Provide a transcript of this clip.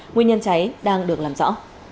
nguyên nhân cháy đang được làm rõ